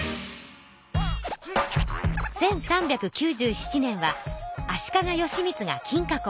１３９７年は足利義満が金閣を建てた年。